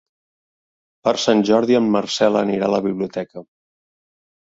Per Sant Jordi en Marcel anirà a la biblioteca.